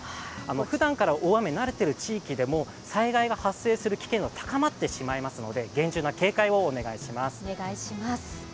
ふだんから大雨に慣れている地域でも、災害が発生する危険度は高まってしまいますので、厳重な警戒をお願いします。